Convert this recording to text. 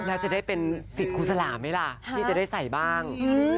แล้วจะได้เป็นสิทธิ์ครูสลาห์จะได้ใส่บ้าง